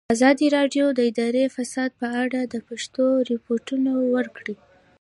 ازادي راډیو د اداري فساد په اړه د پېښو رپوټونه ورکړي.